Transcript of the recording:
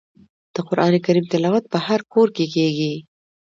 د قران کریم تلاوت په هر کور کې کیږي.